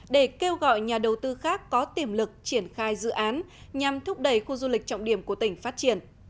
để kêu gọi nhà đầu tư khác có tiềm lực triển khai dự án nhằm thúc đẩy khu du lịch trọng điểm của tỉnh phát triển